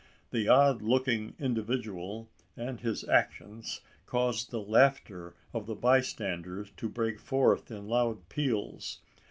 The odd looking individual and his actions caused the laughter of the bystanders to break forth in loud peals.